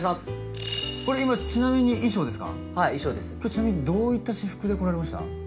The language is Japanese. ちなみにどういった私服で来られました？